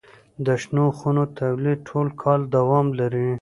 د شنو خونو تولید ټول کال دوام لري.